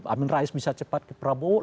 amin rais bisa cepat ke prabowo